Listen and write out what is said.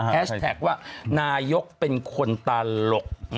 แท็กว่านายกเป็นคนตลก